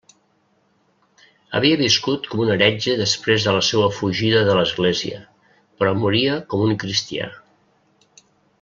Havia viscut com un heretge després de la seua fugida de l'església, però moria com un cristià.